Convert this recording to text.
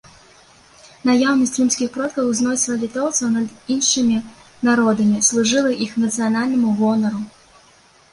Наяўнасць рымскіх продкаў узносіла літоўцаў над іншымі народамі, служыла іх нацыянальнаму гонару.